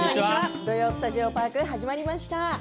「土曜スタジオパーク」始まりました。